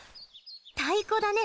太鼓だね。